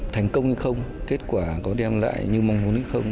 thành công hay không kết quả có đem lại như mong muốn hay không